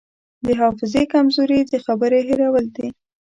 د حافظې کمزوري د خبرې هېرول دي.